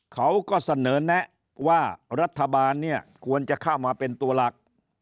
เขาก็เสนอแนะว่ารัฐบาลเนี่ยควรจะเข้ามาเป็นตัวหลัก